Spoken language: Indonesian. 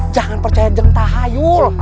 jangan percaya jeng taha yul